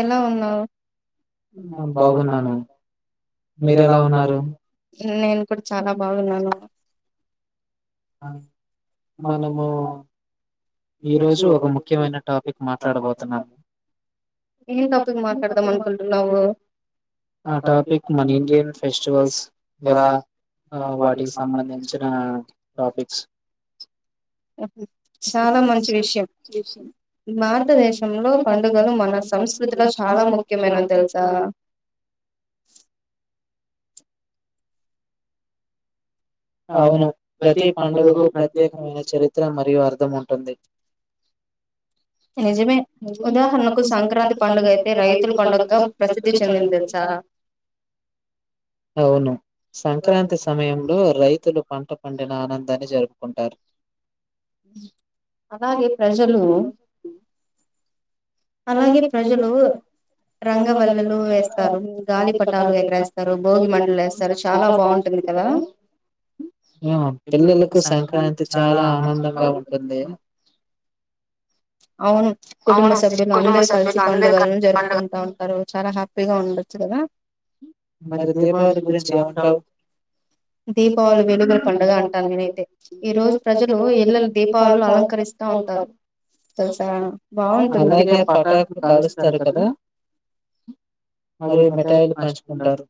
ఎలా ఉన్నావు నేను కుడ చాలా బాగున్నాను మనము ఈ రోజు ఒక ముఖ్యమైన టాపిక్ మాట్లాడబోతున్నా [inaudible] ఆ టాపిక్ మన ఇండియన్ ఫెస్టివల్స్ జరా ఆ వాటికి సంబంధించిన టాపిక్స్ చాలా మంచి విషయం భారతదేశంలో పండుగలు మన సంస్కృతిలో చాలా ముఖ్యమైనో తెలుసా అవును ప్రతి పండుగకు ప్రత్యేకమైన చరిత్ర మరియు అర్థం ఉంటుంది నిజమే ఉదాహరణకు సంక్రాంతి పండుగైతే రైతుల పండుగ్గా ప్రసిద్ధి చెందింది దెలుసా అవును సంక్రాంతి సమయంలో రైతులు పంట పండిన ఆనందాన్ని జరుపుకుంటారు అే అలాగే ప్రజలు రంగవల్లలు వేస్తారు గాలి పటాలు ఎగర వేస్తారు భోగి మండలు వేస్తారు చాలా బాగుంటు కదా పిల్లలకు సంక్రాంతి చాల ఆనందంగా ఉంటుంది అవును కుటుంబ సభ్యు [unintelligible] అందరు కలిసి పండుగలను జరుపుకుంటా ఉంటారు చాల హ్యాపీగా ఉండొచ్చు కదా మరి దీపావళి గురించి [unintelligible] దీపావళి వెలుగుల పండుగ అంటాను నేనైతే ఈ రోజు ప్రజలు ఇళ్లలు దీపావళిలు అలంకరి స్తా ఉంటారు మీ పటకులు కాలుస్తారు కదా [unintelligible] పంచుకుంటారు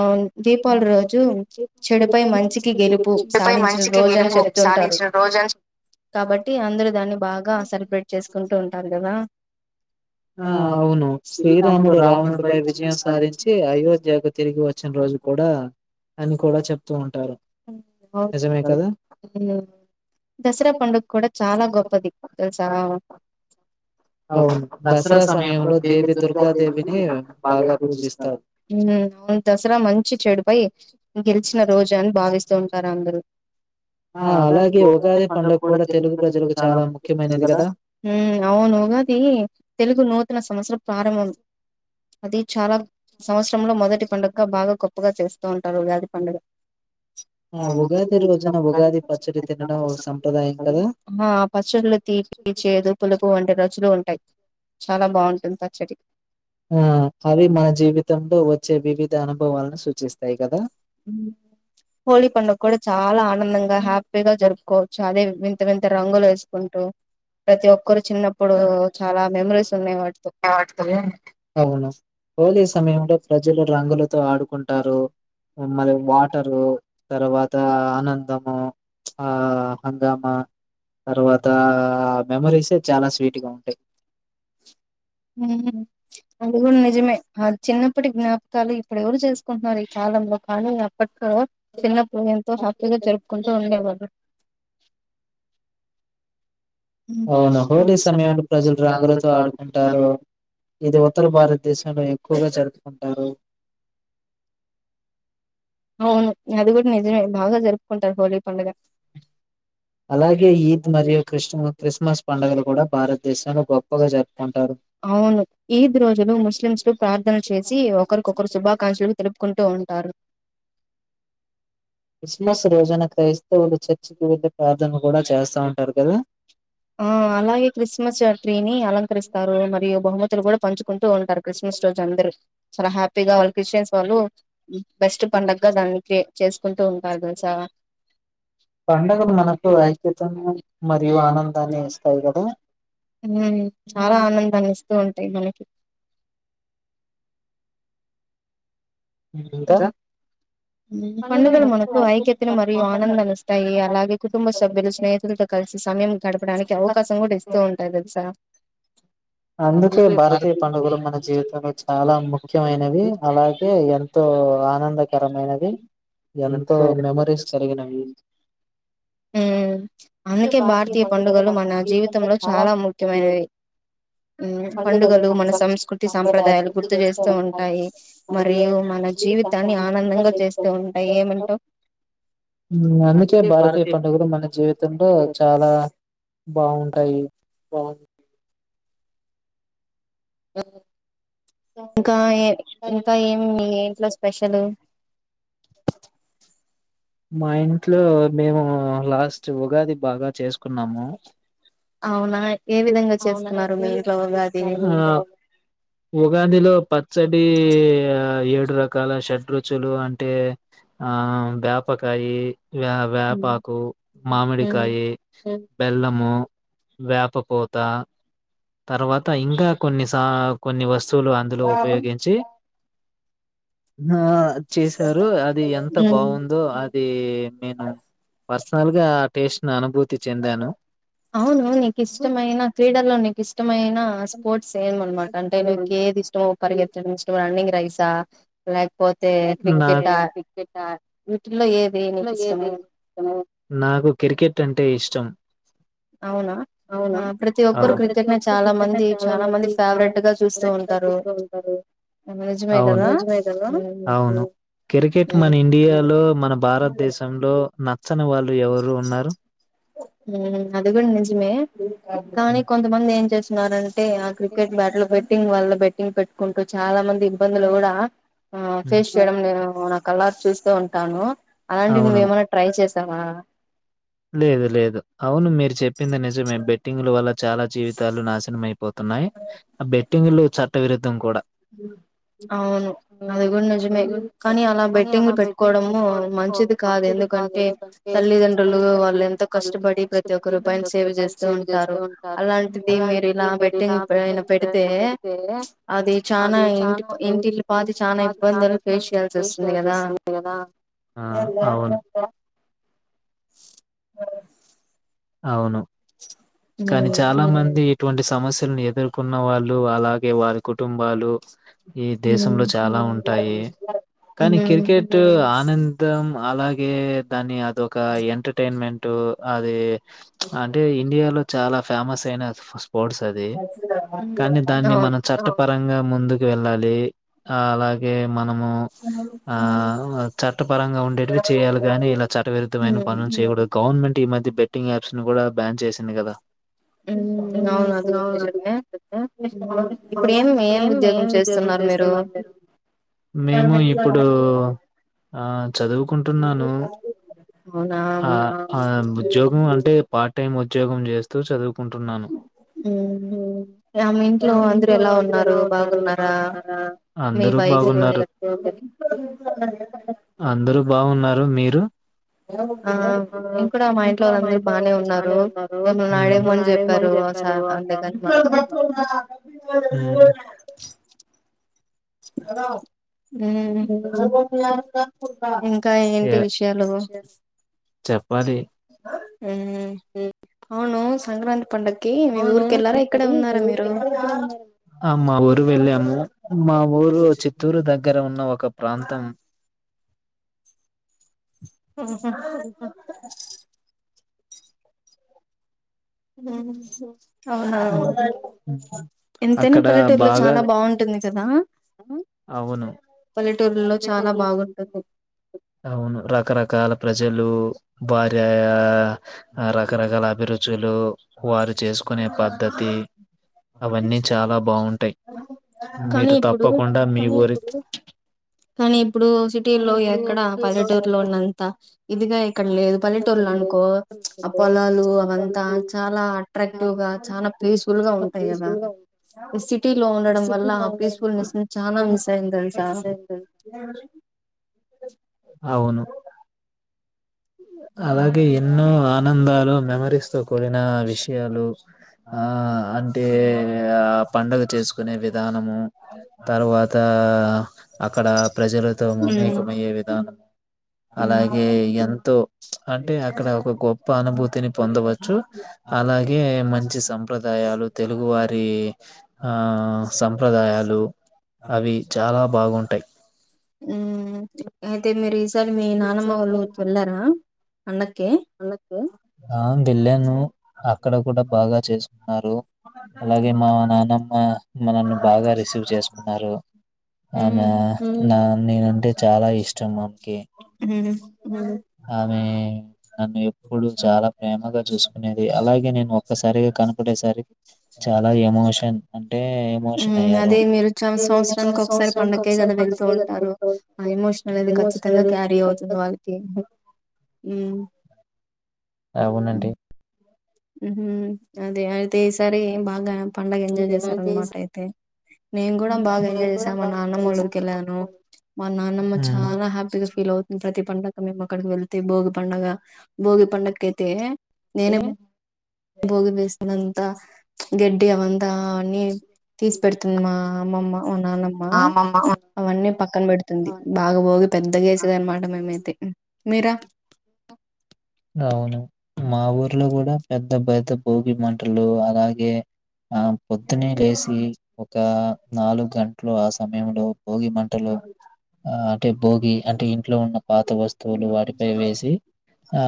[unintelligible] సాధించిన రోజు [unintelligible] కాబట్టి అందరు దాన్ని బాగ సెలబ్రేట్ చేసుకుంటూ ఉంటారు కదా ఆ అవును శ్రీరాముడు రావణుడి పై విజయం సాధించి అయోధ్యకు తిరిగి వచ్చిన రోజు కూడ అని కూడ చెప్తూ ఉంటారు దసరా పండుగ కూడ చాల గొప్పది తెలుసా దసరా సమయంలో దేవి దుర్గాదేవిని బాగ పూజిస్తరు అవును దసరా మంచి చెడు పై గెలిచిన రోజు అని భావిస్తూ ఉంటారు అందరు [unintelligible] ఉ అవును తెలుగు నూతన సంవత్సరం ప్రారంభం అది చాల సంవత్సరంలో మొదటి పండుగగా బాగ గొప్పగా చేస్తూ ఉంటారు ఉగాది పండుగ [unintelligible] చేదు పులుపు వంటి రుచులు ఉం చాల బాగుంటుంది పచ్చడి [inaudible] హోలీ పండుగ కూడ చాలా ఆనందంగా హ్యాపీగా జరుపుకోవచ్చు అదే వింత వింత రంగులు వేసుకుంటూ [inaudible] హోలీ సమయంలో ప్రజలు రంగులతో ఆడుకుంటారు మరి వాటర్ తర్వాత ఆనందము ఆ హంగామ తర్వాత మెమోరీస్ చాలా స్వీట్ [unintelligible] అందు కూడ నిజమే ఆ చిన్నప్పటి జ్ఞాపకాలు ఇప్పుడు ఎవరు చేసుకుంటున్నారు ఈ కాలంలో కానీ చిన్నప్పుడు ఎంతో హ్యాపీగా జరుపుకుంటు ఉండేవాళ్ళు ఉ అవును హోలీ సమయంలో [unintelligible] రంగులతో ఆడుకుంటారు ఇది ఉత్తర భారతదేశంలో ఎక్కువ జరుపుకుంటారు అవును అది కూడ నిజమే బాగ జరుపు కుంటారు హోలీ పండుగ క్రిస్మస్ పండుగలు కూడ భారతదేశంలో గొప్పగా జరుపుకుంటారు అవును ఈద్ రోజులు ముస్లిమ్స్లు ప్రార్థన చేసి ఒకరికొకరు శుభాకాంక్షలు తెలుపుకుంటూ ఉంటారు క్రిస్మస్ రోజున క్రైస్తవులు చర్చికి వెళ్ళి ప్రార్థన కూడ చేస్తా ఉంటారు కదా ఆ అలాగే క్రిస్మస్ ట్రీని అలంకరిస్తారు మరియు బహుమతులు కూడ పంచు కుంటూ ఉంటారు క్రిస్మస్ రోజు అందరు చాలా హ్యాపీగా వాళ్ళు క్రిస్టియన్స్ వాళ్ళు బెస్ట్ పండుగగా దాన్ అందుకే చేసుకుంటూ ఉంటారు తెలుసా పండగలు మనకు వాళ్ళకి [unintelligible] మ్మ్ చాలా ఆనందాన్ని ఇస్తూ ఉంటాయి మనకి ఇంకా పండుగలు మనకు ఐక్యతను మరియు ఆనందాన్నిస్తాయి అలాగే కుటుంబ సభ్యులు స్నేహితులతో కలిసి సమయం గడపడానికి అవకాశం కూడా ఇస్తూ ఉంటాయి తెలుసా అందుకే భారతీయ పండుగలు మన జీవితంలో చాలా ముఖ్యమైనవి అలాగే ఎ ఎంతో ఆనందకరమైనవి ఎంతో మెమోరీస్ కలిగినవి మ్మ్ అందుకే భారతీయ పండుగలు మన జీవితంలో చాలా ముఖ్యమైనవి మ్మ్ పండుగలు మన సంస్కృతి సాంప్రదాయాలు గుర్తు చేస్తూ ఉంటాయి మరియు మన జీవితాన్ని ఆనందంగా చేస్తూ ఉంటాయి ఏమంటావు మ్మ్ అందుకే భారతీయ పండుగలు మన జీవితంలో చాలా బావుంటాయి [inaudible] ఇంకా ఏమ్ ఇంకా ఏమి మీ ఇంట్లో స్పెషల్ మా ఇంట్లో మేము లాస్ట్ ఉగాది బాగా చేసుకున్నాము అవునా అవునా ఏమి వంటలు చేసుకున్నారు మీ ఇంట్లో వాళ్ళు ఉగాదిలో పచ్చడి ఏడు రకాల షడ్రుచులు అంటే ఆ వేపకాయి వ్యా వేపాకు మామిడికాయి బెల్లము వేపపూత తర్వాత ఇంకా కొన్నిస కొన్ని వస్తువులు అందులో ఉపయోగించి న చేశారు అది ఎంత బాగుందో అది నేను ప లూగా ఆ టేస్ట్ ని అనుభూతి అవును మే నాకి ఇష్టమైన క్రీడల్లో నీకు ఇష్టమైన స్పోర్ట్స్ ఏవ అన్నమాట అంటే నీకు ఏది ఇష్టమో పరిగెత్తడం ఇష్టమా రన్నింగ్ రైసా లైక్ న నాకు క్రికెట్ అంటే ఇష్టం అవునా ఆ ప్రతి ఒక్కరు క్రికెట్ ని చాలా మంది చాలా మంది ఫేవరెట్ గా చూస్తూ ఉంటారు ఇది నిజమే కదా అవును క్రికెట్ మన ఇండియాలో మన భారతదేశంలో ఉన్న నచ్చని వాళ్ళు ఎవరు ఉన్నారు మ్మ్ అది కూడా నిజమే కానీ కొంతమంది ఏం చేస్ ఆ క్రికెట్ బ్యాట్ లో బెట్టింగ్ వాళ్ళ బెట్టింగ్ పెట్టుకుంటూ చాలా మంది ఇబ్బందులు కూడా ఆ ఫేస్ చేయడం నేను నా కల్లరా చూస్తూ ఉంటాను అలాంటి నువ్వు ఏమైనా ట్రై చేస్ తా లేదు లేదు అవును మీరు చెప్పింది నిజమే బెట్టింగ్లు వల్ల చాలా జీవితాలు నాశనం అయ్యిపోత తున్నాయి ఆ బెట్టింగ్ లు చట్ట విరుద్ధం కూడా అవున అవును అది కూడా నిజమే కానీ అలా బెట్టింగ్లు పెట్టుకోవడము మంచిది కాదు ఎందుకు కంటే తల్లిదండ్రులు వాళ్ళు ఎంతో కష్టపడి ప్రతి ఒక్క రూపాయిని సేవ్ చేస్తూ ఉంటారు అలాంటిది మీరు ఇలా బెట్టి బెట్టింగ్ ఎప్పుడైనా పెడితే అది చనా ఇంటి ఇంటిల్లి నాది చాల ఇబ్బందులు ఫేస్ చేయాల్సి వస్తుంది కదా ఆ అవును హా అవును కానీ చాలా మంది ఇటువంటి సమస్యలను ఎదుర్కొన్న వాళ్ళు అలాగే వారి కుటుంబాలు ఈ దేశంలో చాలా ఉంటాయి కానీ క్రికెట్ ఆనందం అలాగే దాన్ని అది ఒక ఎంటర్టైన్మెంట్ అది అంటే ఇండియాలో చాలా ఫేమస్ అయిన ఫస్ట్ స్పోట్స్ అది కానీ దాన్ని మనం చట్టపరంగా ముందుకు వెళ్ళాలి అలాగే మనము ఆ చ చట్టపరంగా ఉండేటివి చేయాల గానీ ఇలా చట్ట విరుద్ధమైన పనులు చేయకూడదు గవర్నమెంట్ ఇ మధ్య బెట్టింగ్ యాప్స్ ను కూడా బ్యాన్ చేసింది కదా అవును అది ఇప్పుడేమి ఏమి మేము ఇప్పుడు చదువుకుంటున్నాను ఆ ఆ ఉద్యోగం అంటే పార్ట్ టైమ్ ఉద్యోగం చేస్తూ చదువుకుంటున్నాను మ్మ్మ్మ్ ఇంట్లో ఎలా ఉన్నారు బాగునారా అందరు బాగున్నారు అందరూ బాగున్నారు మీరు ఇం కూడా మా ఇంట్లో ఉ బానే ఉన్నారు హ్మ్మ్ మ్మ్మ్మ్ హలో [unintelligible] హ్మ్మ్ అవును సంక్రాంతి పడుగ మా ఊరు వెళ్ళము మా ఊరు చిత్తూరు దగ్గర ఉన్న ఒక ప్రాంతం హ్మ్మ్ అవునా ఎంతైనా పల్లెటూరులో చాలా బాగుంటుంది కదా హ్మ్మ్ అవును టూర్లో చాలా బాగుంటుంది అవును రకరకాల ప్రజలు వారే రకరకాల అభిరుచులు వారు చేసుకునే పద్ధ తీ అవన్నీ చాలా బాగుంటాయి మీరు తప్పకుండా మీ ఊరి ఇప్పుడు సిటీలో ఎక్కడ పల్లెటూరులో ఉన్నంత ఇదిగా ఇక్కడ లేదు పల్లెటూర్లో అనుకో ఆ పొలాలు అవంతా చాలా అట్రాక్టివ్ గా చాలా పీస్ఫుల్ గా ఉంటాయి కదా ఇ సిటీలో ఉండడం వల్ల ఆ పీస్ఫుల్నెస్ను చాలా మిస్ అయిందని తెలుసా ఇంకేమండి అవును అలాగే ఎన్నో ఆనందాలు మెమరీస్ తో కూడిన విషయాలు ఆ అంటే పండగ చేసుకునే విధానము తర్వాత ఆ అక్కడ ప్రజలతో మమేకమయ్యే విధానం అలాగే ఎంతో అంటే అక్కడ ఒక గొ ప్ప అనుభూతిని పొందవచ్చు అలాగే మంచి సంప్రదాయాలు తెలుగువారి ఆ సంప్రదాయాలు అవి చాలా బాగుంటాయి అయితే మీరు ఈసారి మీ నానమ్మ వాళ్ళ ఊరికి వెళ్లారా అ ఆ వెల్ళను అక్కడ కూడా బాగా చేసుకున్నారు అలాగే మా నానమ్మ మనల్ని బాగా రిసీవ్ చేసుకున్నారు ఆమా నా నేనంటే చాలా ఇష్టం ఆమెకి ఆమే నన్ను ఎప్పుడు చాలా ప్రేమగా చూస్కునేది అలాగే నేను ఒక్కసారిగా కనపడేసరి చా చాలా ఎమోషన్ అంటే ఎమోష హ్మ్ అదే మీరు సంవత్సరానికి ఒకసారి పండక్కే కదా వెళ్తూ ఉంటారు ఆ ఎమోషనల్ అనేది ఖచ్చితం క్యారి అవుతుంది వాళ్ళకి అవునండి. మ్ హ్ అదే అయితే ఈ సారి బాగా పండగ ఎంజాయ్ చేసారన్మాట అయితే నేన్ గుడా బాగా ఎంజాయ్ చేసా మా నానమ్మొల్ల ఉరికెళ్ళాను. మా నాన్నమ్మ చాలా హ్యాపీగా ఫీల్ అవుతుంది ప్రతి పండగ మేం అక్కడికి వెల్తే భోగి పండగ భోగి పండగ కైతే ఏ బోగి వేసినంత గడ్డి అవం తా అని తీసి పెడ్తుంది. మా అమ్మమ్మ నాన్నమ్మ అవన్నీ పక్కన పెడ్తుంది. బాగ బోగి పెద్ద గేసేది అన్నమాట మేమైతే మీరా అవును మా ఊర్లో కూడా పెద్ద పెద్ద భోగి మంటలు అలాగే ఆ పొద్దునే లేసి ఒక నాలుగు గంటలు ఆ సమయంలో భోగి మంటలో ఆ అంటే భోగి అంటే ఇంట్లో ఉన్న పాత వస్తువులు వాటిపై వేసి ఆ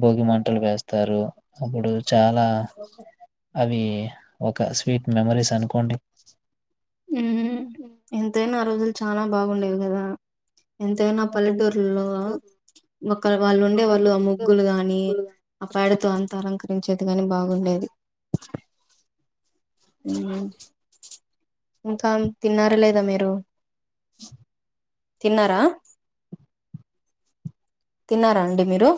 భోగి మం టలు వేస్తారు. అప్పుడు చాలా అవి ఒక స్వీట్ మెమోరీస్ అనుకోండి. ఉమ్ ఎంతైనా ఆ రోజులు చాలా బాగుండేవి కదా ఎంతైనా పల్లెటూర్లో ఒకరు వాళ్ళు ఉండే వాళ్ళు ఆ ముగ్గులు గాని ఆ పేడతో అంత అలంకరించే అంతగాని బాగుండేది. ఇంకా తిన్నారా లేదా మీరు తిన్నారా తిన్నారా అండి మీరు?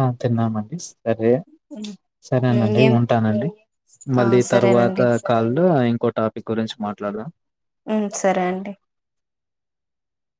ఆ తిన్నానండి సరే సరేనండి ఉంటానండి. మళ్ళీ తరువాత కాల్లో ఇంకో టాపిక్ గురించి మాట్లాడ్దాం మ్ సరే అండి